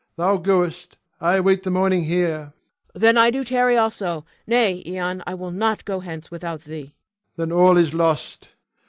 Thou goest. I await the morning here. Cleon. Then do I tarry also. Nay, Ion, I will not go hence without thee. Ion. Then all is lost.